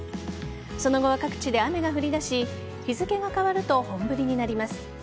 その後は各地で雨が降り出し日付が変わると本降りになります。